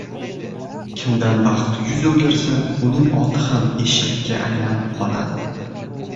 • Kimdan baxt yuz o‘girsa, uning oti ham eshakka aylanib qoladi.